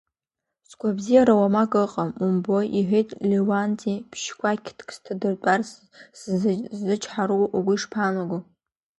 Сгәабзиара уамак ыҟам, умбои, — иҳәеит Леуанти, ԥшь-кәақьҭк сҭадыртәар сзычҳару, угәы ишԥаанаго?